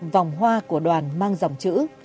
vòng hoa của đoàn mang dòng chữ